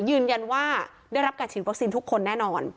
ยืนยันว่าได้รับการฉีดวัคซีนทุกคนแน่นอน